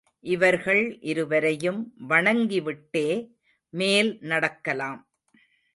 இவர்கள் இருவரையும் வணங்கிவிட்டே மேல் நடக்கலாம்.